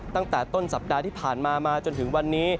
ตั้งแต่ต้นสัปดาห์ที่ผ่านมามาจนถึงวันนี้